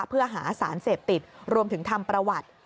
เพื่อหาสารเสพติดรวมถึงทำประวัติ